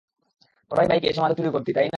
তোরাই বাইকে এসে মাদক চুরি করতি তাই না?